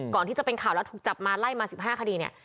ก่อนที่จะเป็นข่าวแล้วถูกจับมาไล่มา๑๕คดีเนี่ย